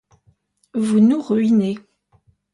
Vous nous ruinez!